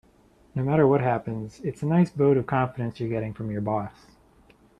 No matter what happens, it's a nice vote of confidence you're getting from your boss.